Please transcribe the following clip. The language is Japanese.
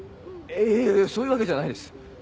いやいやそういうわけじゃないです！